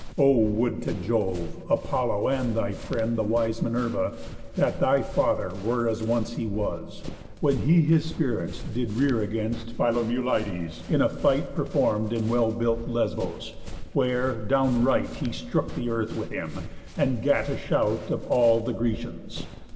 O would to Jove, Apollo, and thy friend The wise Minerva, that thy father were As once he was, when he his spirits did rear Against Philomelides, in a fight Perform'd in well built Lesbos, where, down right He strook the earth with him, and gat a shout Of all the Grecians!